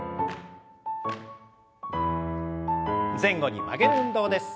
前後に曲げる運動です。